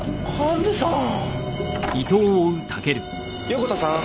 横田さん。